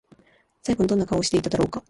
最後にどんな顔をしていたんだろうか？